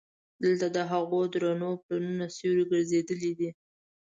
دلته د هغو درنو پلونو سیوري ګرځېدلی دي.